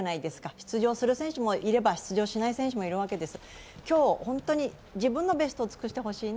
出場する選手もいれば出場しない選手もいるわけです。